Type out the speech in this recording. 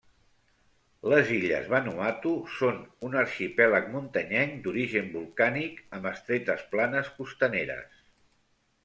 Les illes Vanuatu són un arxipèlag muntanyenc d'origen volcànic, amb estretes planes costaneres.